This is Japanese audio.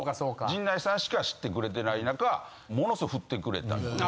陣内さんしか知ってくれてない中ものすごい振ってくれたりとか。